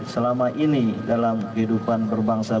selama ini dalam kehidupan berbangsa